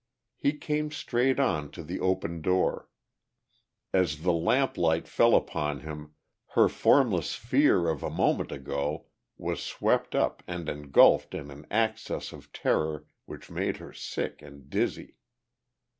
He came straight on to the open door; as the lamp light fell upon him her formless fear of a moment ago was swept up and engulfed in an access of terror which made her sick and dizzy.